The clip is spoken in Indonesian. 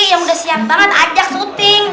yang udah siap banget ajak syuting